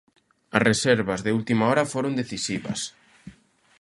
As reservas de última hora foron decisivas.